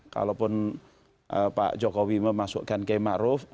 kalaupun pak jokowi memasukkan k ma'ruf